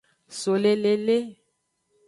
So le lele.